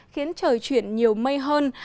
khiến trời chuyển nhiều mây hơn